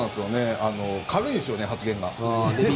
軽いですよね、発言が。